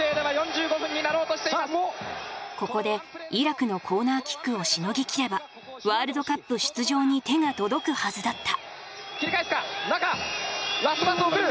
ここでイラクのコーナーキックをしのぎきればワールドカップ出場に手が届くはずだった。